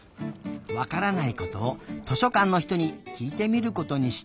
わからないことを図書かんのひとにきいてみることにしたよ。